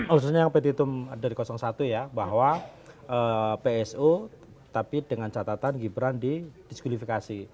alasannya yang pt itum dari satu ya bahwa psu tapi dengan catatan gibran di diskuidifikasi